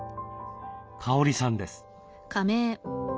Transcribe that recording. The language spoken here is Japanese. かおりさんです。